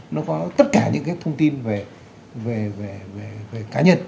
nó có tất cả những cái thông tin về cá nhân